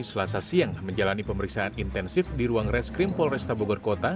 selasa siang menjalani pemeriksaan intensif di ruang reskrim polresta bogor kota